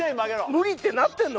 無理ってなってんの！